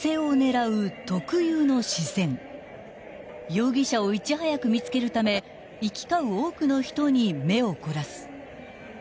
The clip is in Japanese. ［容疑者をいち早く見つけるため行き交う多くの人に目を凝らす］